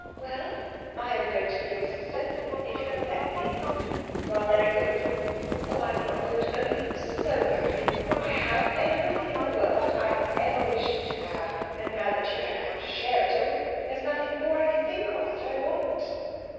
"Well, I am going to be your sister, if you will let me." "You are very good." "Oh, I am not good, only so happy I have everything in the world that I have ever wished to have, and now that you have come to share it all there is nothing more I can think of that I want."